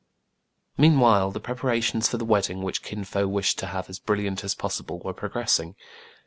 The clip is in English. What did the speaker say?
Meanwhile the preparations for the wedding, which Kin Fo wished to have as brilliant as pos sible, were progressing.